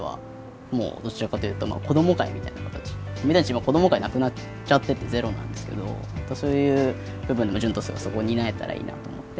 今子ども会なくなっちゃっててゼロなんですけどそういう部分でもＪＵＮＴＯＳがそこ担えたらいいなと思って。